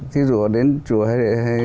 thí dụ họ đến chùa hay